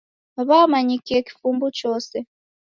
W'amanyikie kifumbu chose.